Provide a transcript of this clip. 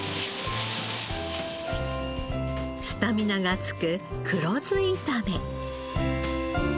スタミナがつく黒酢炒め。